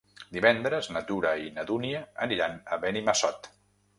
Divendres na Tura i na Dúnia aniran a Benimassot.